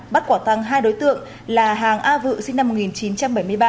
bắt quả tăng hai đối tượng là hàng a vự sinh năm một nghìn chín trăm bảy mươi ba